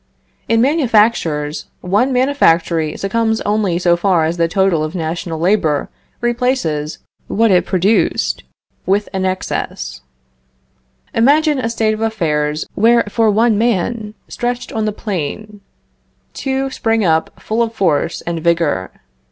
In manufactures, one manufactory succumbs only so far as the total of national labor replaces what it produced, with an excess. Imagine a state of affairs where for one man, stretched on the plain, two spring up full of force and vigor.